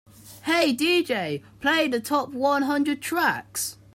"Hey DJ, play the top one hundred tracks"